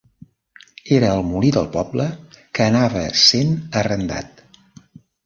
Era el molí del poble que anava sent arrendat.